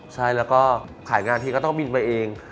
ใช่แล้วก็ขายงานทีก็ต้องบินไปเอง